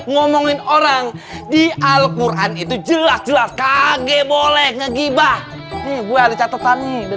ngomongin orang di alquran itu jelas jelas kaget boleh ngegibah nih gue ada catatannya